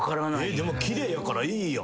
でも奇麗やからいいやん。